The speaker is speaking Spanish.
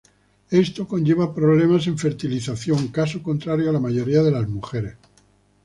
Esto conlleva problemas en fertilización, caso contrario a la mayoría de las mujeres.